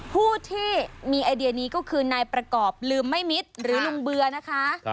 ผู้ที่มีไอเดียนี้ก็คือนายประกอบลืมไม่มิตรหรือลุงเบื่อนะคะ